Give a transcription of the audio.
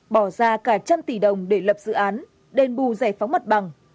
bỏ ra cả trăm tỷ đồng để lập dự án đền bù rẻ phóng mật bằng